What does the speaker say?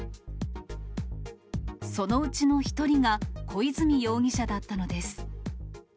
そのうちの１人が小泉容疑者だったのです。